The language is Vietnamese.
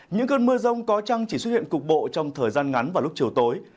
những cơn mưa rông có trăng chỉ xuất hiện cục bộ trong thời gian ngắn và lúc chiều tối